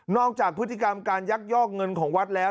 จากพฤติกรรมการยักยอกเงินของวัดแล้ว